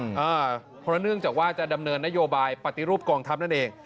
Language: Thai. เพราะเนื่องจากว่าจะดำเนินนโยบายปฏิรูปกองทัพนั่นเอง